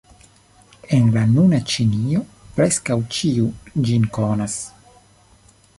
En la nuna Ĉinio, preskaŭ ĉiu ĝin konas.